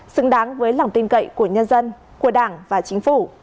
xứng đáng với lòng tin cậy của nhân dân của đảng và chính phủ